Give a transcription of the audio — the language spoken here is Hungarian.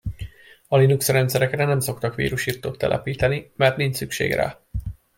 A Linux rendszerekre nem szoktak vírusirtót telepíteni, mert nincs szükség rá.